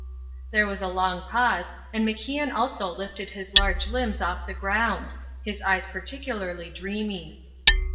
There was a long pause, and MacIan also lifted his large limbs off the ground his eyes particularly dreamy.